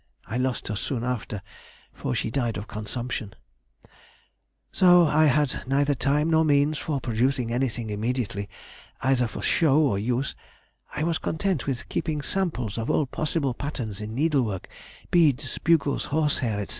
I lost her soon after, for she died of consumption]. Though I had neither time nor means for producing anything immediately either for show or use, I was content with keeping samples of all possible patterns in needlework, beads, bugles, horsehair, &c.